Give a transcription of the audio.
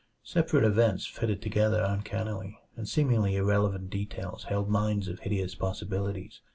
Separate events fitted together uncannily, and seemingly irrelevant details held mines of hideous possibilities.